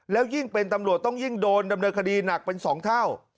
แล้วยิ่งเป็นตำรวจต้องยิ่งโดนดำเนินคดีหนักเป็น๒เท่า